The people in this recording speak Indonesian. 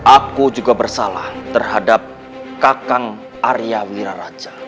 aku juga bersalah terhadap kakang arya wiraraja